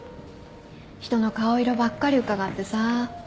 人の顔色ばっかりうかがってさ。